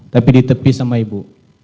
tapi di tepi sama ibu